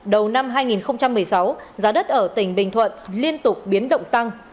đầu năm hai nghìn một mươi sáu giá đất ở tỉnh bình thuận liên tục biến động tăng